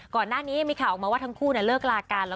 ก่อนหน้านี้มีข่าวออกมาว่าทั้งคู่เลิกลากันแล้ว